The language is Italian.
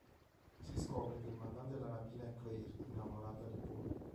Si scopre che il mandante della rapina è Claire, innamorata di Paul.